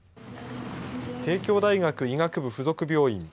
帝京大学医学部附属病院